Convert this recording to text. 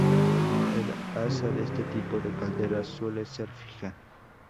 El asa de este tipo de calderas suele ser fija.